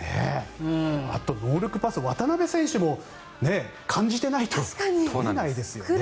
あとノールックパス渡邊選手も感じていないと取れないですよね。